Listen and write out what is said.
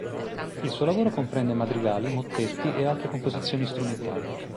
Il suo lavoro comprende Madrigali, Mottetti e altre composizioni strumentali.